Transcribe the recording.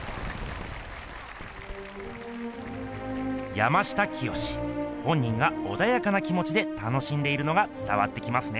山下清本人がおだやかなきもちで楽しんでいるのがつたわってきますね。